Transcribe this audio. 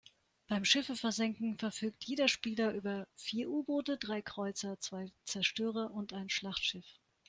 Beim Schiffe versenken verfügt jeder Spieler über vier U-Boote, drei Kreuzer, zwei Zerstörer und ein Schlachtschiff.